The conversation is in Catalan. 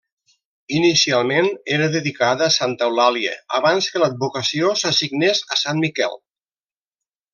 Inicialment era dedicada a santa Eulàlia, abans que l'advocació s'assignés a sant Miquel.